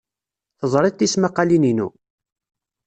Teẓrid tismaqqalin-inu?